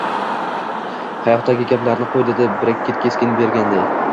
Qayoqdagi gaplarni qo`y, dedi Brekket taskin berganday